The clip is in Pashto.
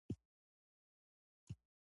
الله رحم کوونکی دی باور ولری